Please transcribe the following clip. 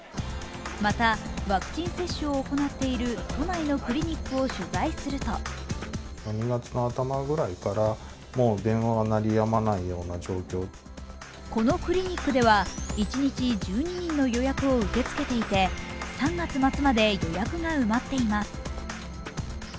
また、ワクチン接種を行っている都内のクリニックを取材するとこのクリニックでは一日１２人の予約を受け付けていて３月末まで予約が埋まっています。